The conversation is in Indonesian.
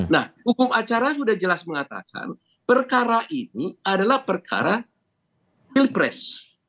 nah hukum acara sudah jelas mengatakan perkara ini adalah perkara pilpres